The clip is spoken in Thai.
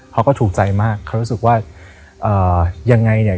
เขาก็ถูกใจมากเขารู้สึกว่าเอ่อยังไงเนี่ย